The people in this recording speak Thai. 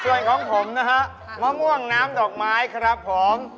ส่วนของผมนะฮะมะม่วงน้ำดอกไม้ครับผม